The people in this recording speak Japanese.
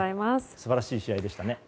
素晴らしい試合でしたね。